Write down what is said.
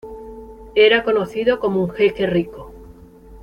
Era conocido como un jeque rico.